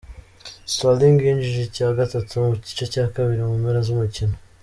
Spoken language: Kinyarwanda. Sterling yinjije icya gatatu mu gice cya kabiri mu mpera z'umukino.